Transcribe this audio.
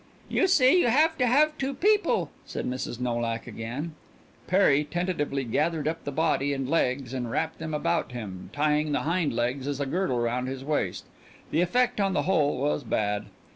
"You see you have to have two people," said Mrs. Nolak again. Perry tentatively gathered up the body and legs and wrapped them about him, tying the hind legs as a girdle round his waist. The effect on the whole was bad.